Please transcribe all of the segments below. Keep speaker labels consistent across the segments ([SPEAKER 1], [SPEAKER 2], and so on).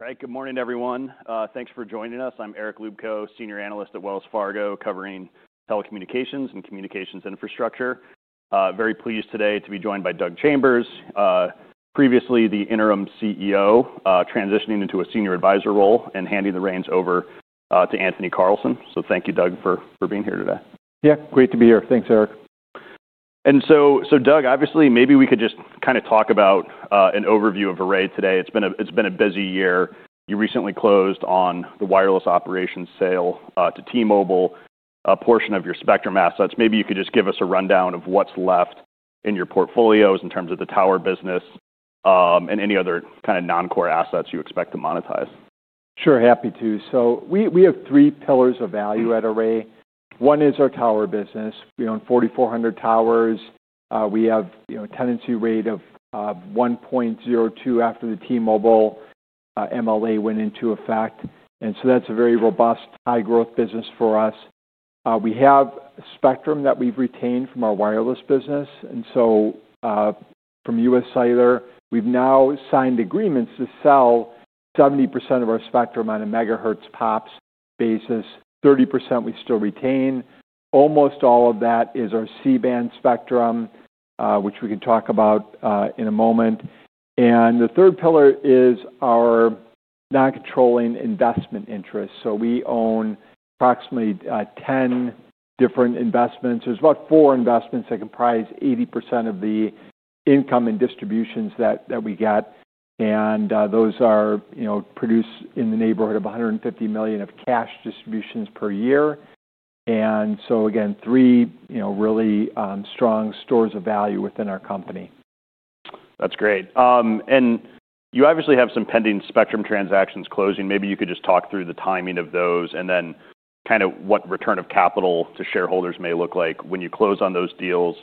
[SPEAKER 1] All right. Good morning, everyone. Thanks for joining us. I'm Eric Luebchow, Senior Analyst at Wells Fargo, covering telecommunications and communications infrastructure. Very pleased today to be joined by Doug Chambers, previously the interim CEO, transitioning into a senior advisor role and handing the reins over to Anthony Carlson. Thank you, Doug, for being here today.
[SPEAKER 2] Yeah. Great to be here. Thanks, Eric.
[SPEAKER 1] Doug, obviously, maybe we could just kinda talk about an overview of Array today. It's been a busy year. You recently closed on the wireless operations sale to T-Mobile, a portion of your spectrum assets. Maybe you could just give us a rundown of what's left in your portfolios in terms of the tower business, and any other kinda non-core assets you expect to monetize.
[SPEAKER 2] Sure. Happy to. We have three pillars of value at Array. One is our tower business. We own 4,400 towers. We have a tenancy rate of 1.02 after the T-Mobile MLA went into effect. That is a very robust, high-growth business for us. We have spectrum that we have retained from our wireless business. From USCellular, we have now signed agreements to sell 70% of our spectrum on a megahertz pops basis. 30% we still retain. Almost all of that is our C-band spectrum, which we can talk about in a moment. The third pillar is our non-controlling investment interest. We own approximately 10 different investments. There are about four investments that comprise 80% of the income and distributions that we get. Those produce in the neighborhood of $150 million of cash distributions per year. Again, three, you know, really strong stores of value within our company.
[SPEAKER 1] That's great. And you obviously have some pending spectrum transactions closing. Maybe you could just talk through the timing of those and then kinda what return of capital to shareholders may look like when you close on those deals,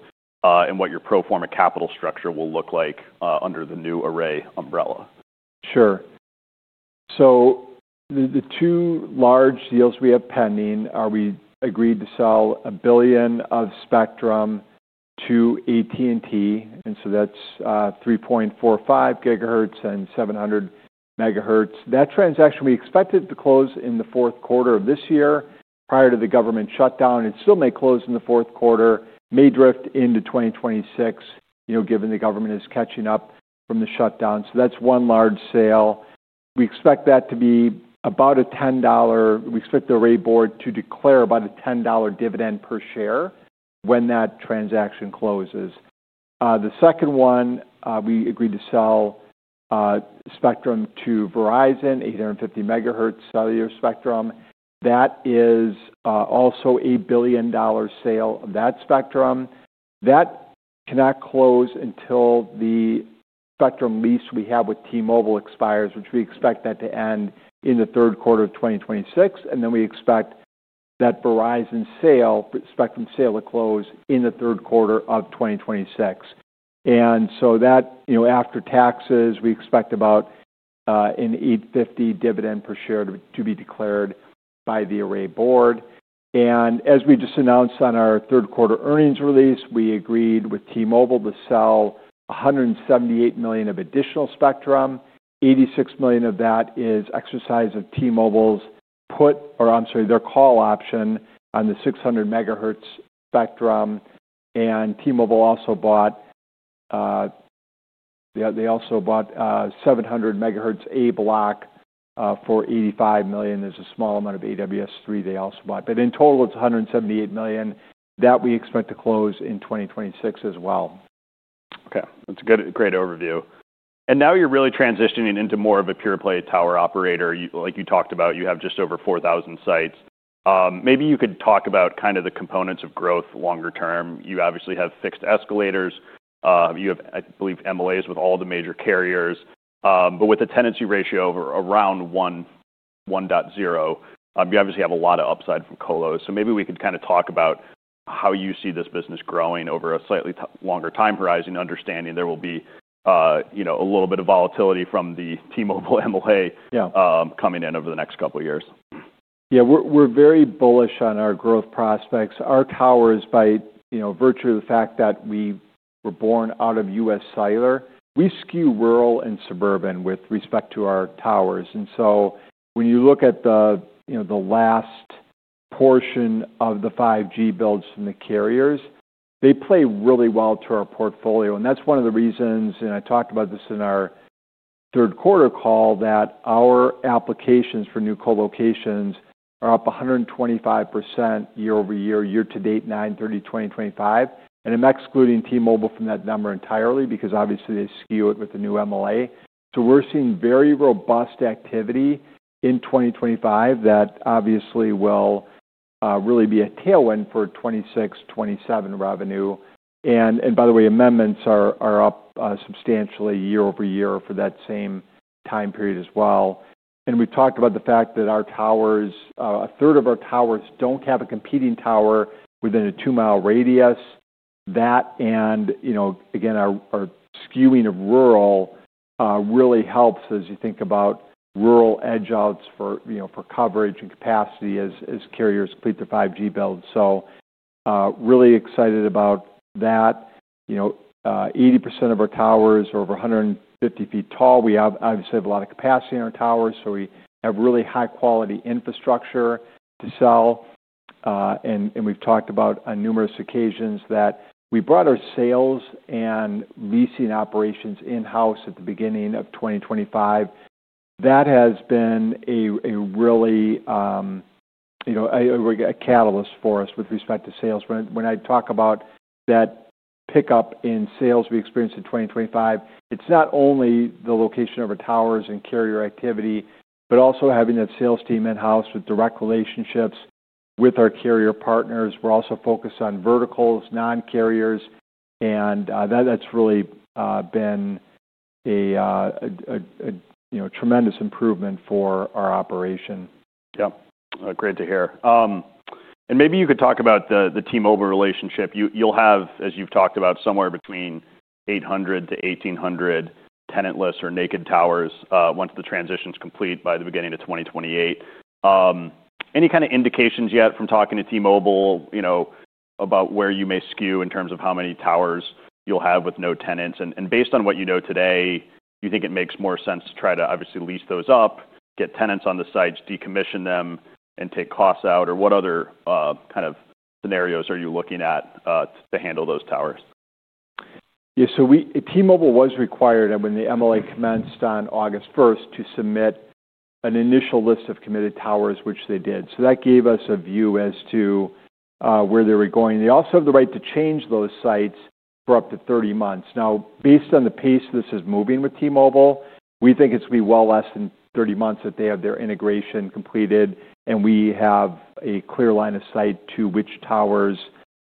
[SPEAKER 1] and what your pro forma capital structure will look like, under the new Array umbrella.
[SPEAKER 2] Sure. The two large deals we have pending are we agreed to sell a billion of spectrum to AT&T. That is 3.45 GHz and 700 MHz. That transaction we expected to close in the fourth quarter of this year prior to the government shutdown. It still may close in the fourth quarter, may drift into 2026, you know, given the government is catching up from the shutdown. That is one large sale. We expect that to be about a $10—we expect the Array board to declare about a $10 dividend per share when that transaction closes. The second one, we agreed to sell spectrum to Verizon, 850 MHz cellular spectrum. That is also a billion-dollar sale of that spectrum. That cannot close until the spectrum lease we have with T-Mobile expires, which we expect that to end in the third quarter of 2026. We expect that Verizon sale, spectrum sale, to close in the third quarter of 2026. That, you know, after taxes, we expect about an $8.50 dividend per share to be declared by the Array board. As we just announced on our third quarter earnings release, we agreed with T-Mobile to sell $178 million of additional spectrum. $86 million of that is exercise of T-Mobile's put or, I'm sorry, their call option on the 600 MHz spectrum. T-Mobile also bought, yeah, they also bought 700 MHz A block for $85 million. There's a small amount of AWS3 they also bought. In total, it's $178 million. We expect that to close in 2026 as well.
[SPEAKER 1] Okay. That's a good, great overview. Now you're really transitioning into more of a pure-play tower operator. You, like you talked about, you have just over 4,000 sites. Maybe you could talk about kinda the components of growth longer term. You obviously have fixed escalators. You have, I believe, MLAs with all the major carriers. With a tenancy ratio of around 1, 1.0, you obviously have a lot of upside from colos. Maybe we could kinda talk about how you see this business growing over a slightly longer time horizon, understanding there will be, you know, a little bit of volatility from the T-Mobile MLA coming in over the next couple of years.
[SPEAKER 2] Yeah. We're very bullish on our growth prospects. Our towers, by, you know, virtue of the fact that we were born out of USCellular, we skew rural and suburban with respect to our towers. When you look at the, you know, the last portion of the 5G builds from the carriers, they play really well to our portfolio. That's one of the reasons, and I talked about this in our third quarter call, that our applications for new colocations are up 125% year over year, year to date, 9/30/2025. I'm excluding T-Mobile from that number entirely because obviously they skew it with the new MLA. We're seeing very robust activity in 2025 that obviously will really be a tailwind for 2026-2027 revenue. By the way, amendments are up substantially year over year for that same time period as well. We have talked about the fact that our towers, a third of our towers do not have a competing tower within a two-mile radius. That and, you know, again, our skewing of rural really helps as you think about rural edge outs for, you know, for coverage and capacity as carriers complete their 5G build. Really excited about that. You know, 80% of our towers are over 150 feet tall. We obviously have a lot of capacity in our towers, so we have really high-quality infrastructure to sell. We have talked about on numerous occasions that we brought our sales and leasing operations in-house at the beginning of 2025. That has been a really, you know, a catalyst for us with respect to sales. When I talk about that pickup in sales we experienced in 2025, it's not only the location of our towers and carrier activity, but also having that sales team in-house with direct relationships with our carrier partners. We're also focused on verticals, non-carriers, and that's really been a, you know, tremendous improvement for our operation.
[SPEAKER 1] Yep. Great to hear. And maybe you could talk about the, the T-Mobile relationship. You'll have, as you've talked about, somewhere between 800-1,800 tenantless or naked towers, once the transition's complete by the beginning of 2028. Any kinda indications yet from talking to T-Mobile, you know, about where you may skew in terms of how many towers you'll have with no tenants? And, and based on what you know today, do you think it makes more sense to try to obviously lease those up, get tenants on the sites, decommission them, and take costs out? Or what other, kind of scenarios are you looking at, to handle those towers?
[SPEAKER 2] Yeah. T-Mobile was required, and when the MLA commenced on August 1st, to submit an initial list of committed towers, which they did. That gave us a view as to where they were going. They also have the right to change those sites for up to 30 months. Now, based on the pace this is moving with T-Mobile, we think it's gonna be well less than 30 months that they have their integration completed, and we have a clear line of sight to which towers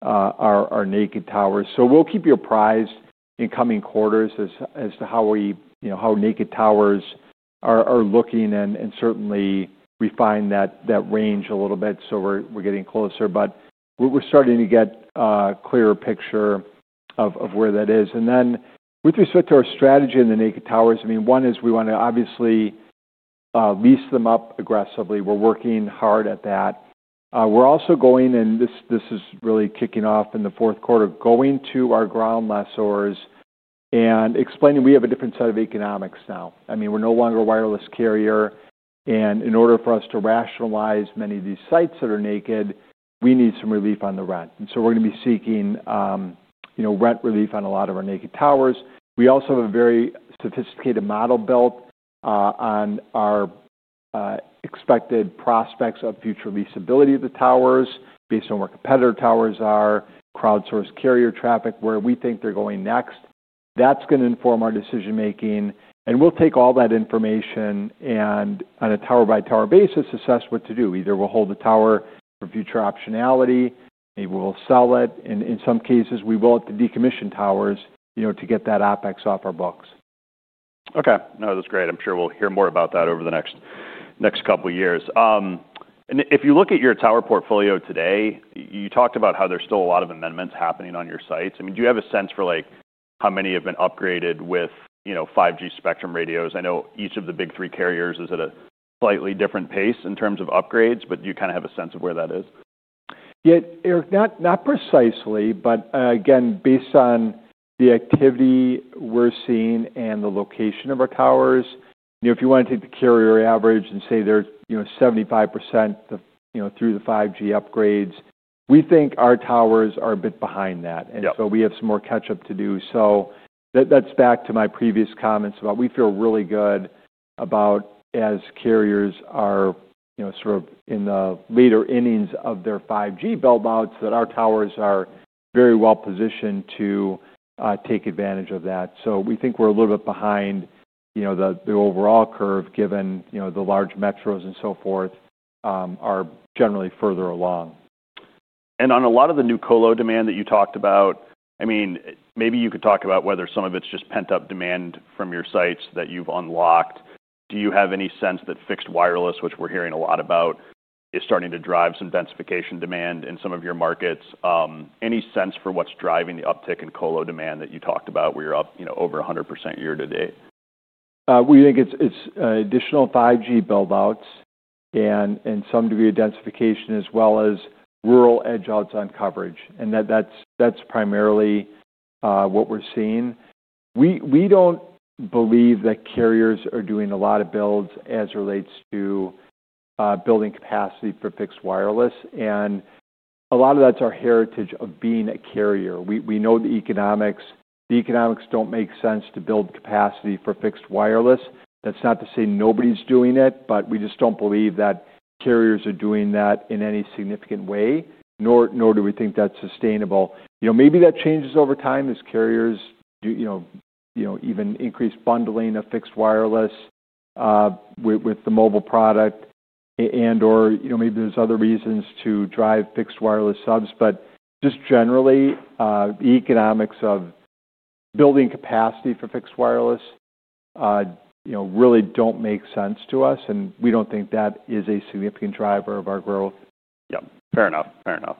[SPEAKER 2] are naked towers. We'll keep you apprised in coming quarters as to how, you know, how naked towers are looking. Certainly, we find that range a little bit, so we're getting closer. We're starting to get a clearer picture of where that is. With respect to our strategy on the naked towers, I mean, one is we wanna obviously lease them up aggressively. We're working hard at that. We're also going, and this is really kicking off in the fourth quarter, to our ground lessors and explaining we have a different set of economics now. I mean, we're no longer a wireless carrier. In order for us to rationalize many of these sites that are naked, we need some relief on the rent. We're gonna be seeking, you know, rent relief on a lot of our naked towers. We also have a very sophisticated model built on our expected prospects of future leasability of the towers based on where competitor towers are, crowdsource carrier traffic, where we think they're going next. That's gonna inform our decision-making. We will take all that information and, on a tower-by-tower basis, assess what to do. Either we will hold the tower for future optionality, maybe we will sell it. In some cases, we will have to decommission towers, you know, to get that OpEx off our books.
[SPEAKER 1] Okay. No, that's great. I'm sure we'll hear more about that over the next couple of years. If you look at your tower portfolio today, you talked about how there's still a lot of amendments happening on your sites. I mean, do you have a sense for, like, how many have been upgraded with, you know, 5G spectrum radios? I know each of the big three carriers is at a slightly different pace in terms of upgrades, but do you kinda have a sense of where that is?
[SPEAKER 2] Yeah. Eric, not, not precisely, but, again, based on the activity we're seeing and the location of our towers, you know, if you wanna take the carrier average and say they're, you know, 75% of, you know, through the 5G upgrades, we think our towers are a bit behind that.
[SPEAKER 1] Yeah.
[SPEAKER 2] We have some more catch-up to do. That is back to my previous comments about we feel really good about as carriers are, you know, sort of in the later innings of their 5G buildouts, that our towers are very well-positioned to take advantage of that. We think we are a little bit behind, you know, the overall curve given, you know, the large metros and so forth are generally further along.
[SPEAKER 1] On a lot of the new colo demand that you talked about, I mean, maybe you could talk about whether some of it's just pent-up demand from your sites that you've unlocked. Do you have any sense that fixed wireless, which we're hearing a lot about, is starting to drive some densification demand in some of your markets? Any sense for what's driving the uptick in colo demand that you talked about where you're up, you know, over 100% year to date?
[SPEAKER 2] We think it's additional 5G buildouts and some degree of densification as well as rural edge outs on coverage. That is primarily what we're seeing. We do not believe that carriers are doing a lot of builds as it relates to building capacity for fixed wireless. A lot of that is our heritage of being a carrier. We know the economics. The economics do not make sense to build capacity for fixed wireless. That is not to say nobody is doing it, but we just do not believe that carriers are doing that in any significant way, nor do we think that is sustainable. You know, maybe that changes over time as carriers do, you know, even increase bundling of fixed wireless with the mobile product and/or, you know, maybe there are other reasons to drive fixed wireless subs. Just generally, the economics of building capacity for fixed wireless, you know, really don't make sense to us. We don't think that is a significant driver of our growth.
[SPEAKER 1] Yep. Fair enough. Fair enough.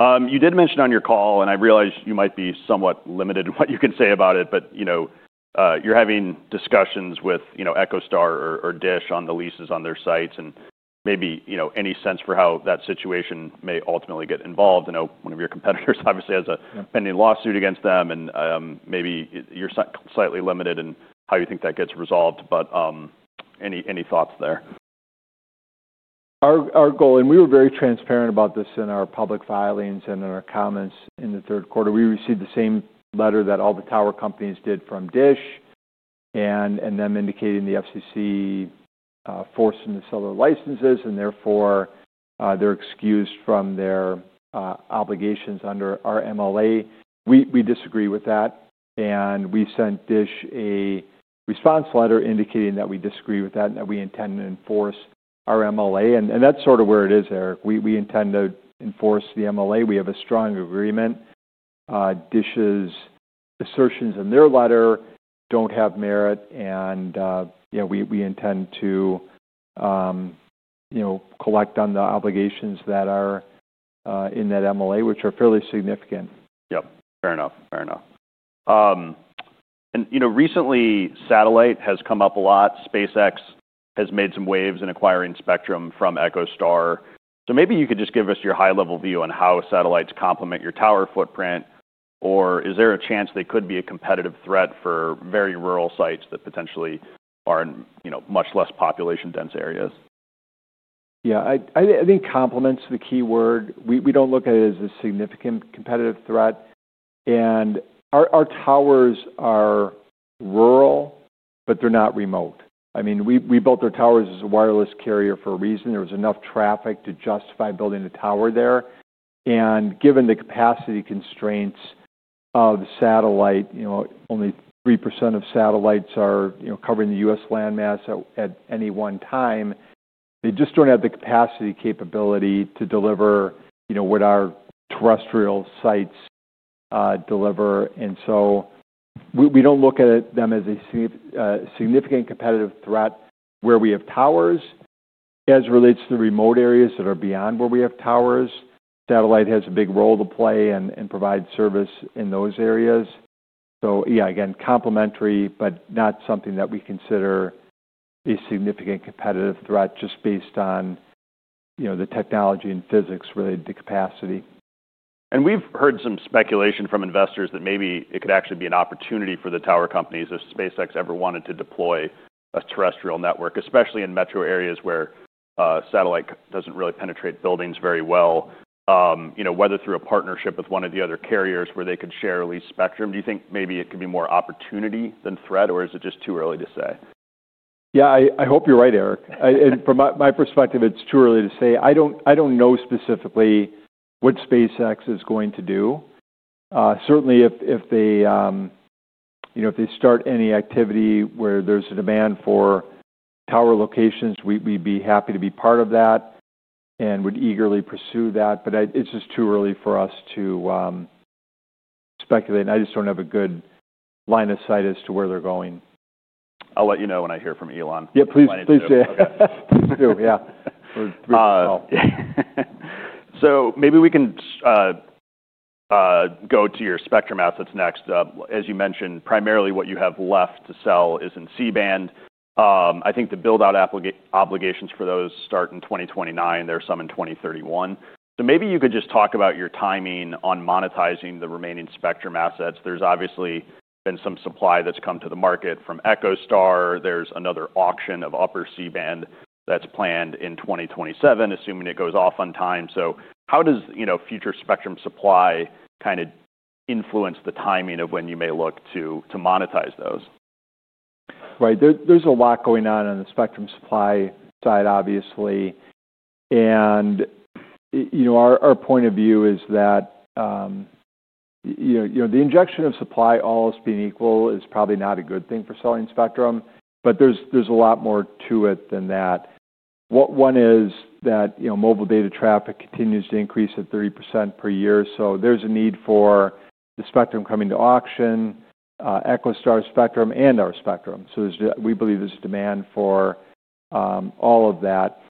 [SPEAKER 1] You did mention on your call, and I realize you might be somewhat limited in what you can say about it, but, you know, you're having discussions with, you know, EchoStar or, or Dish on the leases on their sites and maybe, you know, any sense for how that situation may ultimately get involved? I know one of your competitors obviously has a pending lawsuit against them, and maybe you're slightly limited in how you think that gets resolved. Any, any thoughts there?
[SPEAKER 2] Our goal, and we were very transparent about this in our public filings and in our comments in the third quarter, we received the same letter that all the tower companies did from Dish and them indicating the FCC forcing the seller licenses, and therefore, they're excused from their obligations under our MLA. We disagree with that. We sent Dish a response letter indicating that we disagree with that and that we intend to enforce our MLA. That is sort of where it is, Eric. We intend to enforce the MLA. We have a strong agreement. Dish's assertions in their letter do not have merit. You know, we intend to, you know, collect on the obligations that are in that MLA, which are fairly significant.
[SPEAKER 1] Yep. Fair enough. Fair enough. And, you know, recently, satellite has come up a lot. SpaceX has made some waves in acquiring spectrum from EchoStar. So maybe you could just give us your high-level view on how satellites complement your tower footprint, or is there a chance they could be a competitive threat for very rural sites that potentially are in, you know, much less population-dense areas?
[SPEAKER 2] Yeah. I think complement's the key word. We don't look at it as a significant competitive threat. Our towers are rural, but they're not remote. I mean, we built our towers as a wireless carrier for a reason. There was enough traffic to justify building a tower there. Given the capacity constraints of satellite, only 3% of satellites are covering the U.S. landmass at any one time. They just don't have the capacity capability to deliver what our terrestrial sites deliver. We don't look at them as a significant competitive threat where we have towers. As it relates to the remote areas that are beyond where we have towers, satellite has a big role to play and provide service in those areas. Yeah, again, complementary, but not something that we consider a significant competitive threat just based on, you know, the technology and physics related to capacity.
[SPEAKER 1] We've heard some speculation from investors that maybe it could actually be an opportunity for the tower companies if SpaceX ever wanted to deploy a terrestrial network, especially in metro areas where satellite doesn't really penetrate buildings very well, you know, whether through a partnership with one of the other carriers where they could share at least spectrum. Do you think maybe it could be more opportunity than threat, or is it just too early to say?
[SPEAKER 2] Yeah. I hope you're right, Eric. And from my perspective, it's too early to say. I don't know specifically what SpaceX is going to do. Certainly if they, you know, if they start any activity where there's a demand for tower locations, we, we'd be happy to be part of that and would eagerly pursue that. I, it's just too early for us to speculate. I just don't have a good line of sight as to where they're going.
[SPEAKER 1] I'll let you know when I hear from Elon.
[SPEAKER 2] Yeah. Please, please do.
[SPEAKER 1] Okay.
[SPEAKER 2] Please do. Yeah.
[SPEAKER 1] Maybe we can go to your spectrum assets next. As you mentioned, primarily what you have left to sell is in C-band. I think the buildout obligations for those start in 2029. There is some in 2031. Maybe you could just talk about your timing on monetizing the remaining spectrum assets. There has obviously been some supply that has come to the market from EchoStar. There is another auction of upper C-band that is planned in 2027, assuming it goes off on time. How does, you know, future spectrum supply kind of influence the timing of when you may look to monetize those?
[SPEAKER 2] Right. There's a lot going on on the spectrum supply side, obviously. You know, our point of view is that, you know, the injection of supply all else being equal is probably not a good thing for selling spectrum, but there's a lot more to it than that. One is that, you know, mobile data traffic continues to increase at 30% per year. So there's a need for the spectrum coming to auction, EchoStar spectrum and our spectrum. We believe there's a demand for all of that.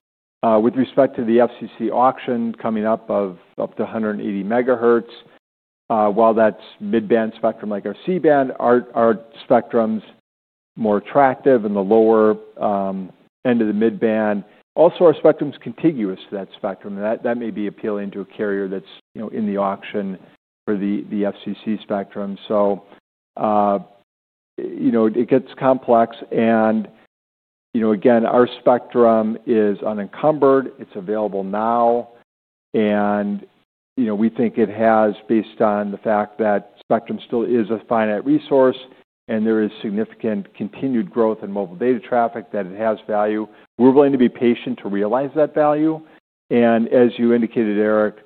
[SPEAKER 2] With respect to the FCC auction coming up of up to 180 megahertz, while that's mid-band spectrum like our C-band, our spectrum's more attractive in the lower end of the mid-band. Also, our spectrum's contiguous to that spectrum. That may be appealing to a carrier that's, you know, in the auction for the FCC spectrum. You know, it gets complex. You know, again, our spectrum is unencumbered. It's available now. You know, we think it has, based on the fact that spectrum still is a finite resource and there is significant continued growth in mobile data traffic, that it has value. We're willing to be patient to realize that value. As you indicated, Eric,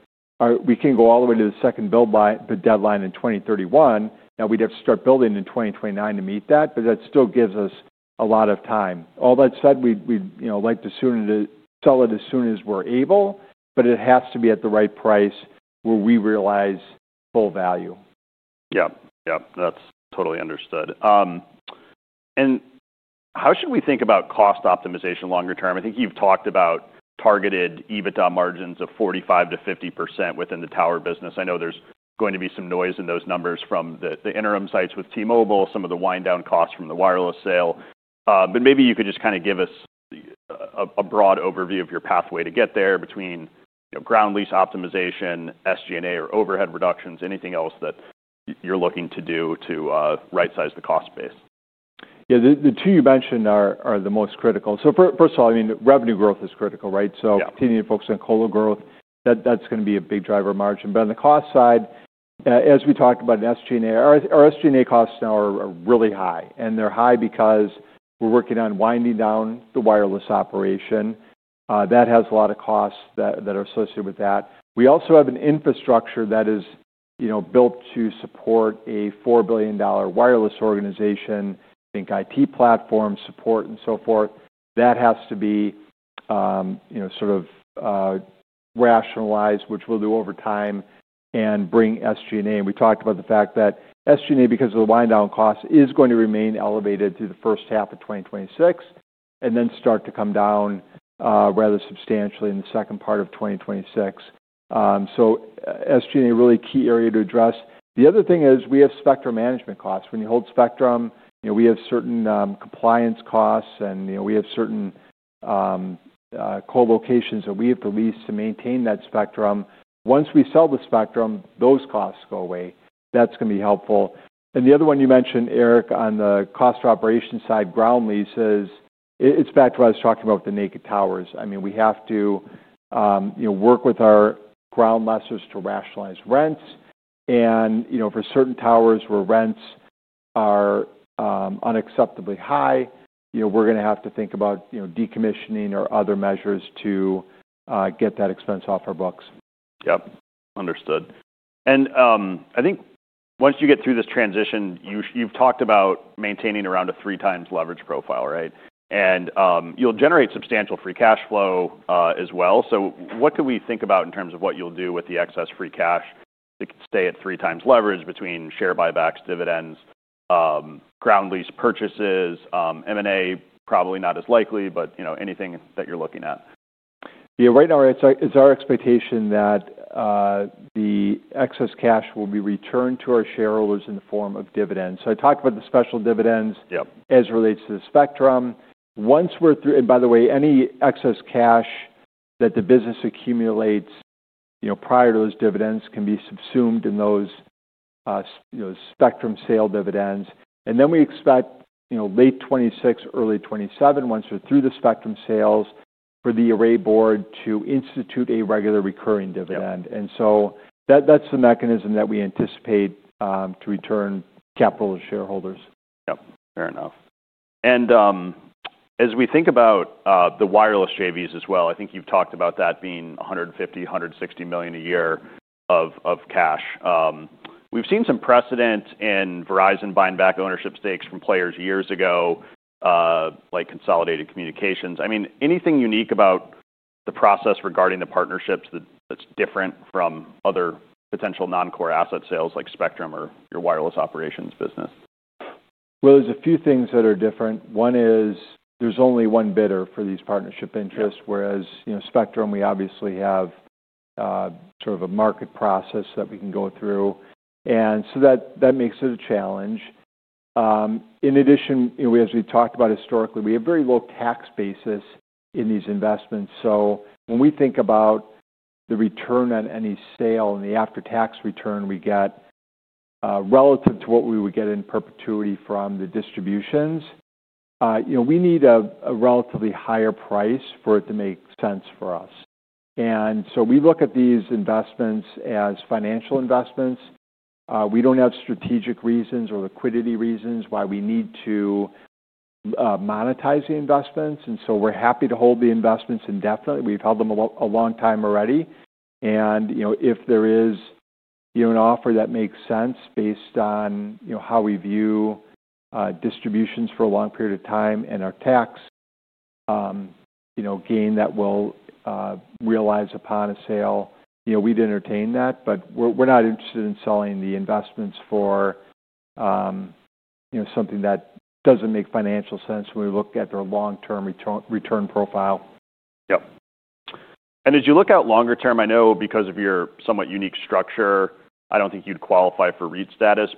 [SPEAKER 2] we can go all the way to the second build deadline in 2031. We'd have to start building in 2029 to meet that, but that still gives us a lot of time. All that said, we, you know, like to sell it as soon as we're able, but it has to be at the right price where we realize full value.
[SPEAKER 1] Yep. Yep. That's totally understood. How should we think about cost optimization longer term? I think you've talked about targeted EBITDA margins of 45%-50% within the tower business. I know there's going to be some noise in those numbers from the interim sites with T-Mobile, some of the wind-down costs from the wireless sale. Maybe you could just kinda give us a broad overview of your pathway to get there between, you know, ground lease optimization, SG&A or overhead reductions, anything else that you're looking to do to right-size the cost base.
[SPEAKER 2] Yeah. The two you mentioned are the most critical. First of all, I mean, revenue growth is critical, right?
[SPEAKER 1] Yeah.
[SPEAKER 2] Continuing to focus on colo growth, that, that's gonna be a big driver of margin. On the cost side, as we talked about in SG&A, our SG&A costs now are really high. They're high because we're working on winding down the wireless operation. That has a lot of costs that are associated with that. We also have an infrastructure that is, you know, built to support a $4 billion wireless organization, I think IT platform support and so forth. That has to be, you know, sort of, rationalized, which we'll do over time and bring SG&A. We talked about the fact that SG&A, because of the wind-down costs, is going to remain elevated through the first half of 2026 and then start to come down, rather substantially in the second part of 2026. SG&A is a really key area to address. The other thing is we have spectrum management costs. When you hold spectrum, you know, we have certain compliance costs and, you know, we have certain colocations that we have to lease to maintain that spectrum. Once we sell the spectrum, those costs go away. That's gonna be helpful. The other one you mentioned, Eric, on the cost operation side, ground leases, it, it's back to what I was talking about with the naked towers. I mean, we have to, you know, work with our ground lessors to rationalize rents. You know, for certain towers where rents are unacceptably high, you know, we're gonna have to think about, you know, decommissioning or other measures to get that expense off our books.
[SPEAKER 1] Yep. Understood. I think once you get through this transition, you've talked about maintaining around a three-times leverage profile, right? You'll generate substantial free cash flow, as well. What could we think about in terms of what you'll do with the excess free cash to stay at three-times leverage between share buybacks, dividends, ground lease purchases, M&A? Probably not as likely, but, you know, anything that you're looking at.
[SPEAKER 2] Yeah. Right now, it's our expectation that the excess cash will be returned to our shareholders in the form of dividends. I talked about the special dividends.
[SPEAKER 1] Yep.
[SPEAKER 2] As it relates to the spectrum. Once we're through, and by the way, any excess cash that the business accumulates, you know, prior to those dividends can be subsumed in those, you know, spectrum sale dividends. We expect, you know, late 2026, early 2027, once we're through the spectrum sales, for the Array board to institute a regular recurring dividend. That, that's the mechanism that we anticipate, to return capital to shareholders.
[SPEAKER 1] Yep. Fair enough. As we think about the wireless JVs as well, I think you've talked about that being $150 million-$160 million a year of cash. We've seen some precedent in Verizon buying back ownership stakes from players years ago, like Consolidated Communications. I mean, anything unique about the process regarding the partnerships that's different from other potential non-core asset sales like spectrum or your wireless operations business?
[SPEAKER 2] There are a few things that are different. One is there's only one bidder for these partnership interests, whereas, you know, spectrum, we obviously have, sort of a market process that we can go through. That makes it a challenge. In addition, you know, as we talked about historically, we have very low tax basis in these investments. When we think about the return on any sale and the after-tax return we get, relative to what we would get in perpetuity from the distributions, you know, we need a relatively higher price for it to make sense for us. We look at these investments as financial investments. We do not have strategic reasons or liquidity reasons why we need to monetize the investments. We are happy to hold the investments indefinitely. We have held them a long time already. If there is, you know, an offer that makes sense based on, you know, how we view distributions for a long period of time and our tax, you know, gain that we'll realize upon a sale, you know, we'd entertain that. We're not interested in selling the investments for, you know, something that doesn't make financial sense when we look at their long-term return, return profile.
[SPEAKER 1] Yep. As you look out longer term, I know because of your somewhat unique structure, I don't think you'd qualify for REIT status.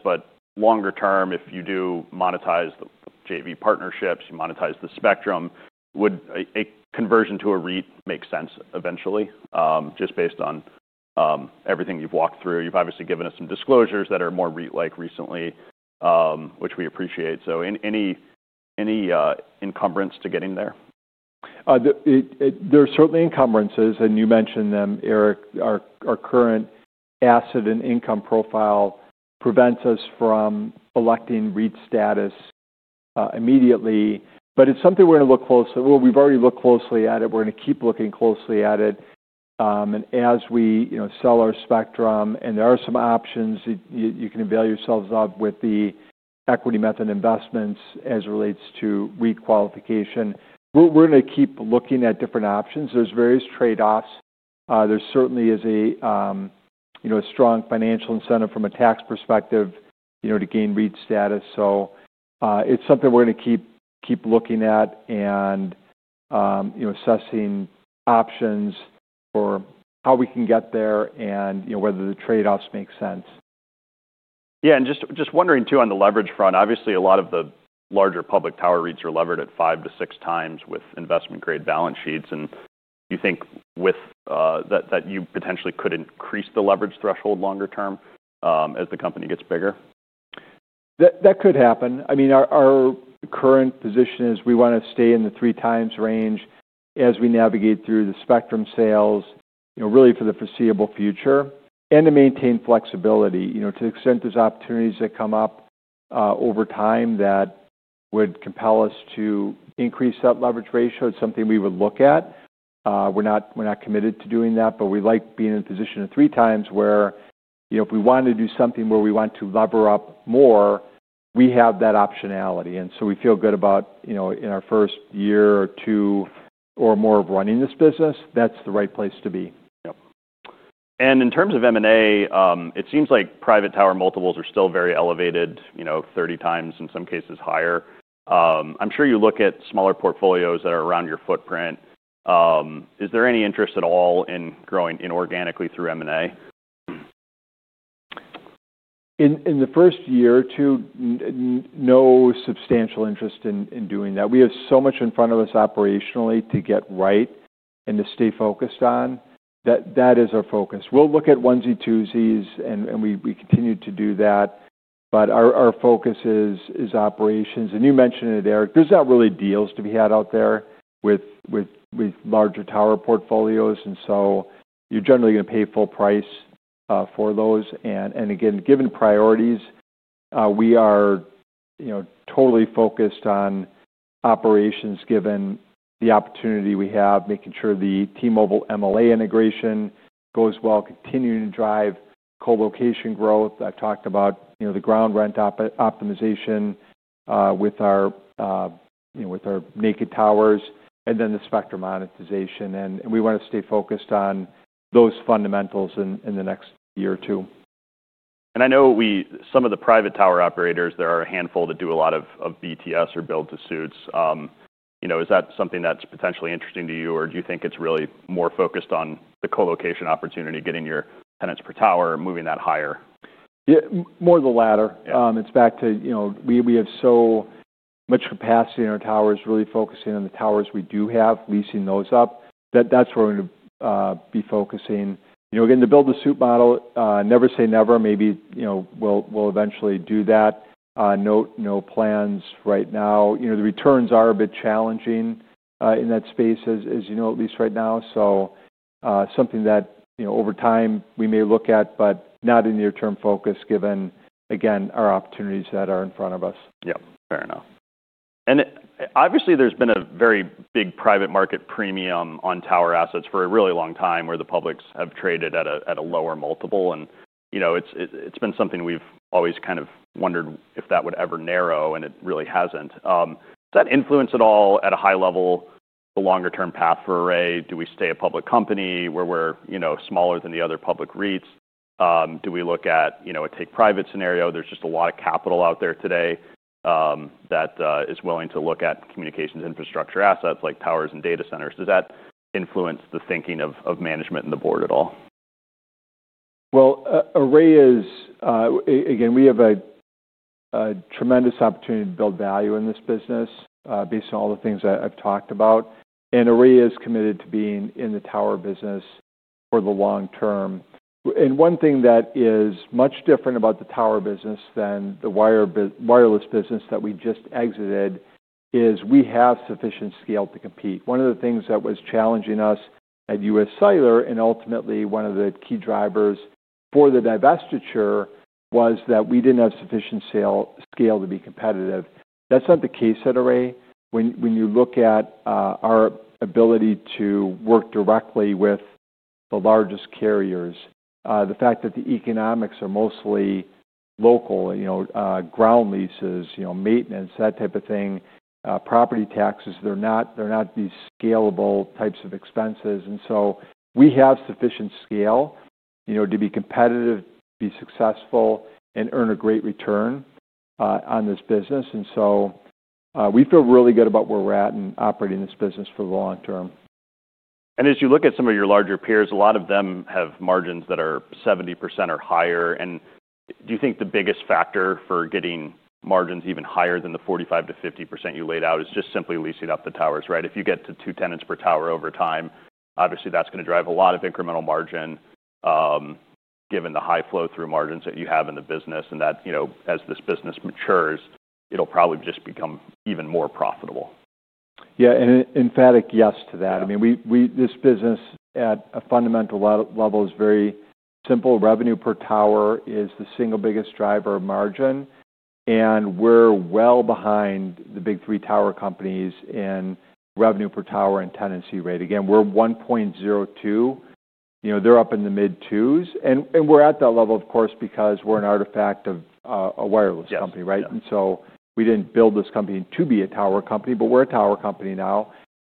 [SPEAKER 1] Longer term, if you do monetize the JV partnerships, you monetize the spectrum, would a conversion to a REIT make sense eventually, just based on everything you've walked through? You've obviously given us some disclosures that are more REIT-like recently, which we appreciate. Any encumbrance to getting there?
[SPEAKER 2] There are certainly encumbrances. You mentioned them, Eric. Our current asset and income profile prevents us from electing REIT status immediately. It's something we're gonna look closely at. We've already looked closely at it. We're gonna keep looking closely at it. As we sell our spectrum, there are some options that you can avail yourselves of with the equity method investments as it relates to REIT qualification. We're gonna keep looking at different options. There are various trade-offs. There certainly is a strong financial incentive from a tax perspective to gain REIT status. It's something we're gonna keep looking at and assessing options for how we can get there and whether the trade-offs make sense.
[SPEAKER 1] Yeah. Just wondering too on the leverage front. Obviously, a lot of the larger public tower REITs are levered at five to six times with investment-grade balance sheets. Do you think with that, that you potentially could increase the leverage threshold longer term, as the company gets bigger?
[SPEAKER 2] That could happen. I mean, our current position is we wanna stay in the three-times range as we navigate through the spectrum sales, you know, really for the foreseeable future and to maintain flexibility, you know, to the extent there's opportunities that come up over time that would compel us to increase that leverage ratio. It's something we would look at. We're not committed to doing that, but we like being in a position of three times where, you know, if we wanted to do something where we want to lever up more, we have that optionality. And so we feel good about, you know, in our first year or two or more of running this business, that's the right place to be.
[SPEAKER 1] Yep. And in terms of M&A, it seems like private tower multiples are still very elevated, you know, 30 times, in some cases higher. I'm sure you look at smaller portfolios that are around your footprint. Is there any interest at all in growing inorganically through M&A?
[SPEAKER 2] In the first year or two, no substantial interest in doing that. We have so much in front of us operationally to get right and to stay focused on that, that is our focus. We'll look at onesie, twosies and we continue to do that. Our focus is operations. You mentioned it, Eric. There's not really deals to be had out there with larger tower portfolios. You're generally gonna pay full price for those. Again, given priorities, we are totally focused on operations given the opportunity we have, making sure the T-Mobile MLA integration goes well, continuing to drive colocation growth. I talked about the ground rent optimization with our naked towers, and then the spectrum monetization. We wanna stay focused on those fundamentals in the next year or two.
[SPEAKER 1] I know with some of the private tower operators, there are a handful that do a lot of BTS or build-to-suits. You know, is that something that's potentially interesting to you, or do you think it's really more focused on the colocation opportunity, getting your tenants per tower, moving that higher?
[SPEAKER 2] Yeah. More the latter.
[SPEAKER 1] Yeah.
[SPEAKER 2] It's back to, you know, we have so much capacity in our towers, really focusing on the towers we do have, leasing those up. That's where we're gonna be focusing. You know, again, the build-to-suit model, never say never. Maybe, you know, we'll eventually do that. No, no plans right now. You know, the returns are a bit challenging in that space, as you know, at least right now. Something that, you know, over time we may look at, but not in near-term focus given, again, our opportunities that are in front of us.
[SPEAKER 1] Yep. Fair enough. Obviously, there's been a very big private market premium on tower assets for a really long time where the publics have traded at a lower multiple. You know, it's been something we've always kind of wondered if that would ever narrow, and it really hasn't. Does that influence at all at a high level the longer-term path for Array? Do we stay a public company where we're smaller than the other public REITs? Do we look at, you know, a take-private scenario? There's just a lot of capital out there today that is willing to look at communications infrastructure assets like towers and data centers. Does that influence the thinking of management and the board at all?
[SPEAKER 2] Array is, again, we have a tremendous opportunity to build value in this business, based on all the things that I've talked about. Array is committed to being in the tower business for the long term. One thing that is much different about the tower business than the wireless business that we just exited is we have sufficient scale to compete. One of the things that was challenging us at USCellular and ultimately one of the key drivers for the divestiture was that we didn't have sufficient scale to be competitive. That's not the case at Array. When you look at our ability to work directly with the largest carriers, the fact that the economics are mostly local, you know, ground leases, you know, maintenance, that type of thing, property taxes, they're not these scalable types of expenses. We have sufficient scale, you know, to be competitive, be successful, and earn a great return on this business. We feel really good about where we're at in operating this business for the long term.
[SPEAKER 1] As you look at some of your larger peers, a lot of them have margins that are 70% or higher. Do you think the biggest factor for getting margins even higher than the 45%-50% you laid out is just simply leasing out the towers, right? If you get to two tenants per tower over time, obviously that's gonna drive a lot of incremental margin, given the high flow-through margins that you have in the business. That, you know, as this business matures, it'll probably just become even more profitable.
[SPEAKER 2] Yeah. An emphatic yes to that. I mean, we, this business at a fundamental level is very simple. Revenue per tower is the single biggest driver of margin. We're well behind the big three tower companies in revenue per tower and tenancy rate. Again, we're 1.02. You know, they're up in the mid-twos. We're at that level, of course, because we're an artifact of a wireless company.
[SPEAKER 1] Yep.
[SPEAKER 2] Right? We didn't build this company to be a tower company, but we're a tower company now.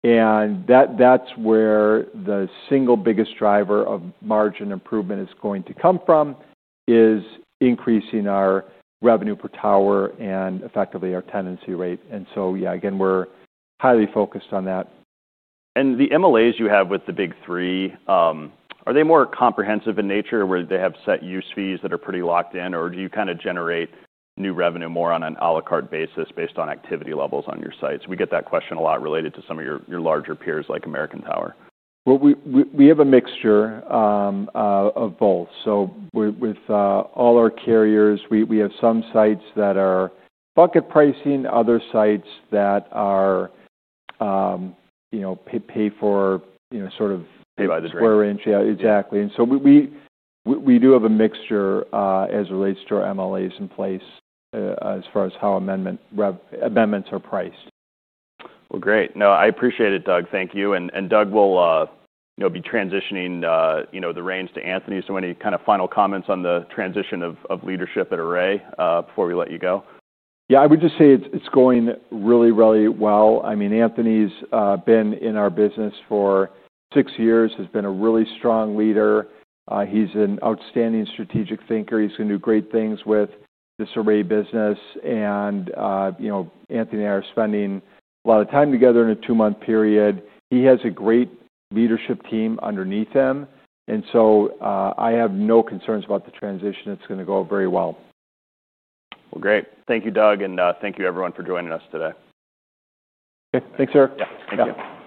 [SPEAKER 2] That is where the single biggest driver of margin improvement is going to come from, increasing our revenue per tower and effectively our tenancy rate. Yeah, again, we're highly focused on that.
[SPEAKER 1] The MLAs you have with the big three, are they more comprehensive in nature where they have set use fees that are pretty locked in, or do you kind of generate new revenue more on an à la carte basis based on activity levels on your sites? We get that question a lot related to some of your larger peers like American Tower.
[SPEAKER 2] We have a mixture of both. With all our carriers, we have some sites that are bucket pricing, other sites that are, you know, pay-for, you know, sort of.
[SPEAKER 1] Paid by the drain.
[SPEAKER 2] Square inch. Yeah. Exactly. We do have a mixture, as it relates to our MLAs in place, as far as how amendments are priced.
[SPEAKER 1] Great. No, I appreciate it, Doug. Thank you. Doug will, you know, be transitioning, you know, the reins to Anthony. Any kind of final comments on the transition of leadership at Array before we let you go?
[SPEAKER 2] Yeah. I would just say it's going really, really well. I mean, Anthony's been in our business for six years. He's been a really strong leader. He's an outstanding strategic thinker. He's gonna do great things with this Array business. You know, Anthony and I are spending a lot of time together in a two-month period. He has a great leadership team underneath him. I have no concerns about the transition. It's gonna go very well.
[SPEAKER 1] Great. Thank you, Doug. And thank you, everyone, for joining us today.
[SPEAKER 2] Okay. Thanks, sir.
[SPEAKER 1] Yeah. Thank you.
[SPEAKER 2] Okay. All right. Great.